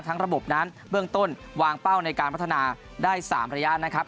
ระบบนั้นเบื้องต้นวางเป้าในการพัฒนาได้๓ระยะนะครับ